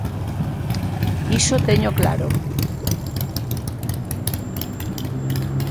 Iso téñoo claro.